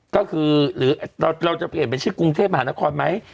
ก็คือหรือเราจะเปลี่ยนเป็นชื่อกรุงเทพมหานครไหม